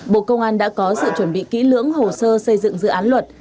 bộ công an đã có sự chuẩn bị kỹ lưỡng hồ sơ xây dựng dự án luật